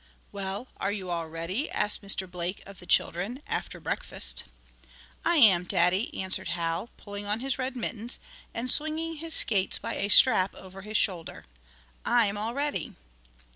"Well, are you all ready?" asked Mr. Blake of the children, after breakfast. "I am, Daddy," answered Hal, pulling on his red mittens, and swinging his skates by a strap over his shoulder. "I'm all ready."